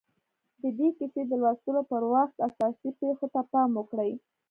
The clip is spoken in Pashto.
د دې کيسې د لوستلو پر وخت اساسي پېښو ته پام وکړئ.